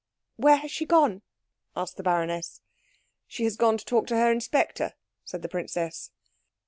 "Where has she gone?" asked the baroness. "She has gone to talk to her inspector," said the princess.